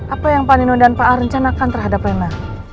apa yang panino dan pak a rencanakan terhadap rena